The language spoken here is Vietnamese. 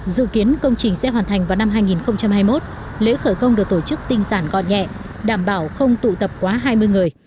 dự kiến công trình sẽ hoàn thành vào năm hai nghìn hai mươi một lễ khởi công được tổ chức tinh sản gọn nhẹ đảm bảo không tụ tập quá hai mươi người